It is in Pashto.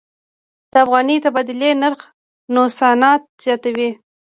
د افغانۍ د تبادلې نرخ نوسانات زیاتوي.